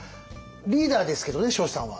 リーダーですけどね彰子さんは。